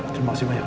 terima kasih banyak